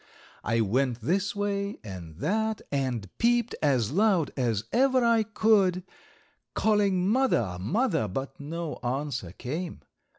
I went this way and that and peeped as loud as ever I could, calling "Mother! mother!" but no answer came.